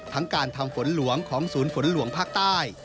การทำฝนหลวงของศูนย์ฝนหลวงภาคใต้